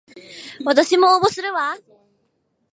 わたしも応募するわ